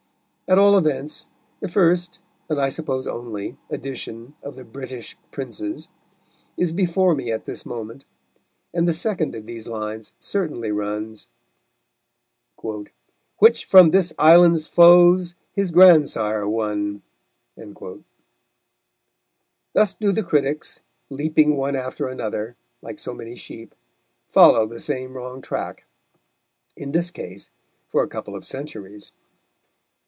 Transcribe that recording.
At all events, the first (and, I suppose, only) edition of The British Princes is before me at this moment, and the second of these lines certainly runs: Which from this island's foes his grandsire won. Thus do the critics, leaping one after another, like so many sheep, follow the same wrong track, in this case for a couple of centuries.